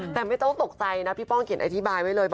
แต่ไม่ต้องตกใจนะพี่ป้องเขียนอธิบายไว้เลย